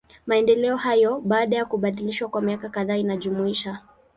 Maendeleo hayo, baada ya kubadilishwa kwa miaka kadhaa inajumuisha.